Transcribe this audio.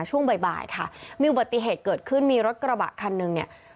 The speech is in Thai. ช่วงบ่ายค่ะมีอุบัติเหตุเกิดขึ้นมีรถกระบะคันหนึ่งเนี่ย